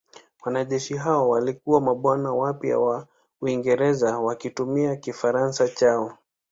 Wanajeshi hao walikuwa mabwana wapya wa Uingereza wakitumia Kifaransa chao.